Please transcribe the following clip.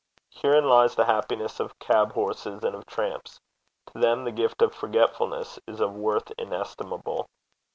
Herein lies the happiness of cab horses and of tramps: to them the gift of forgetfulness is of worth inestimable.